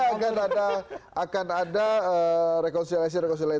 supaya di luarnya akan ada rekonsiliasi rekonsiliasi